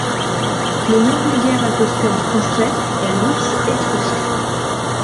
Le nom vulgaire attesté en français est l'Ours étrusque.